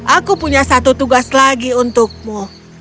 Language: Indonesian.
aku punya satu tugas lagi untukmu